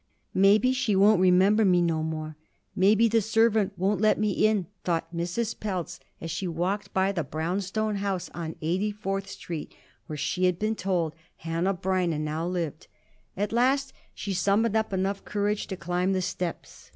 "Maybe she won't remember me no more. Maybe the servant won't let me in," thought Mrs. Pelz as she walked by the brownstone house on Eighty fourth Street where she had been told Hanneh Breineh now lived. At last she summoned up enough courage to climb the steps.